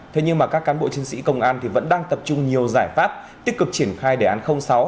thế nhưng mà các cán bộ chiến sĩ công an vẫn đang tập trung nhiều giải pháp tích cực triển khai đề án sáu